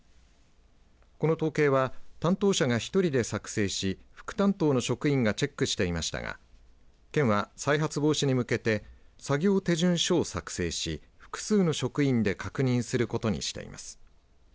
この統計は担当者が１人で作成し副担当の職員がチェックしていましたが県は再発防止に向けて作業手順書を作成し複数の職員で確認することにしています。